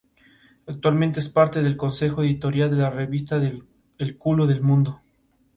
Actualmente es parte del consejo editorial de la revista "El Culo del Mundo".